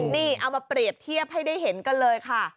นี่เอามาเปรียบเทียบให้ได้เห็นกันเลยค่ะ